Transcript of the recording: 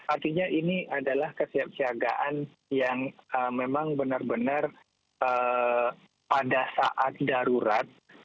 artinya ini adalah kesiapsiagaan yang memang benar benar pada saat darurat